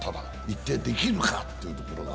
行ってできるかというところが。